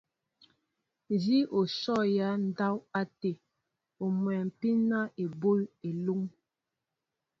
Nzi o shɔ ya ndáw até, i o nwómpin na eboy elúŋ.